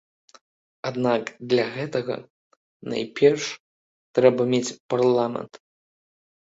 Аднак для гэтага, найперш, трэба мець парламент.